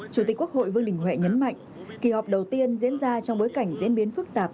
chủ tịch quốc hội vương đình huệ nhấn mạnh kỳ họp đầu tiên diễn ra trong bối cảnh diễn biến phức tạp